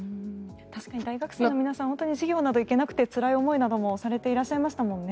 確かに大学生の皆さん授業に行けなくてつらい思いなどもされていらっしゃいましたもんね。